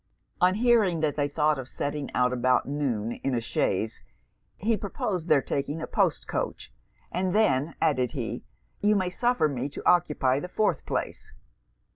On hearing that they thought of setting out about noon, in a chaise, he proposed their taking a post coach; 'and then,' added he, 'you may suffer me to occupy the fourth place.'